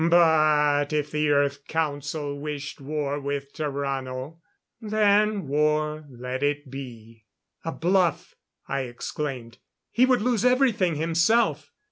But if the Earth Council wished war with Tarrano then war let it be. "A bluff," I exclaimed. "He would lose everything himself.